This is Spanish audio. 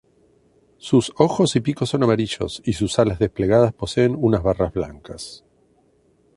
Sus ojos y pico son amarillos y sus alas desplegadas poseen unas barras blancas.